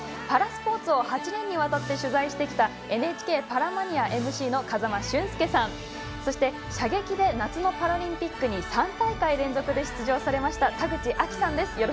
パラスポーツを８年にわたって取材してきたＮＨＫ「パラマニア」ＭＣの風間俊介さんそして射撃で夏のパラリンピックに３大会連続で出場されました田口亜希さんです。